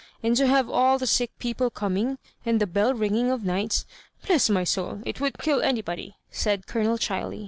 And to have all the sick people coming, and the bell ringing of nights. Bless my soul I it would kill anybody," said Colonel Cbiley.